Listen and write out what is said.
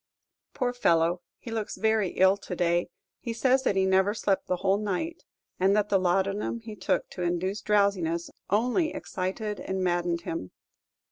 Poor fellow, he looks very ill to day. He says that he never slept the whole night, and that the laudanum he took to induce drowsiness only excited and maddened him.